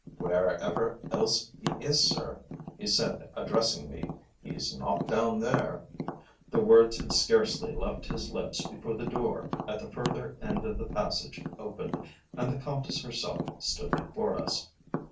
"Wherever else he is, sir," he said, addressing me, "he's not down there." The words had scarcely left his lips before the door at the further end of the passage opened, and the Countess herself stood before us.